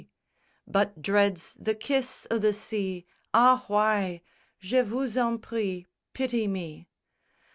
_ But dreads the kiss o' the sea? Ah, why Je vous en prie, pity me!